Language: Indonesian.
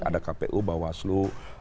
ada kpu bawah aslu